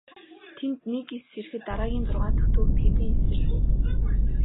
Тэнд нэг эс сэрэхэд дараагийн зургаа дахь төвд хэдэн эс сэрнэ.